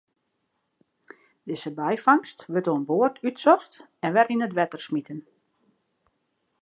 Dizze byfangst wurdt oan board útsocht en wer yn it wetter smiten.